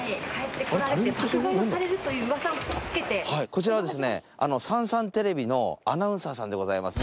こちらはさんさんテレビのアナウンサーさんです。